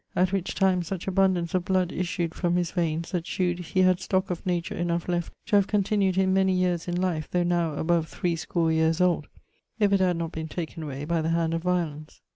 At which time such abundance of bloud issued from his veines that shewed he had stock of nature enough left to have continued him many yeares in life though now above 3 score yeares old, if it had not been taken away by the hand of violence.